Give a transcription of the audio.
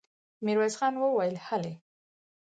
ميرويس خان وويل: هلئ!